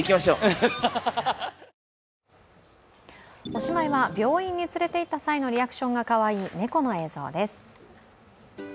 おしまいは、病院に連れていった際のリアクションがかわいい猫の映像です。